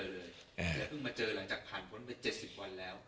แล้วเพิ่งมาเจอหลังจากผ่านพ้นไป๗๐วันแล้ว